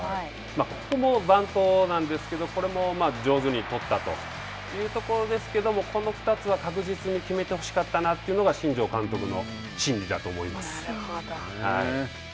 ここもバントなんですけど、これも上手に捕ったというところですけども、この２つは、確実に決めてほしかったなというのが、新庄監督の心理だと思います。